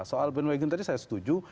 soal bandwagon tadi saya setuju